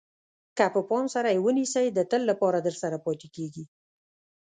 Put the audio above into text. که په پام سره یې ونیسئ د تل لپاره درسره پاتې کېږي.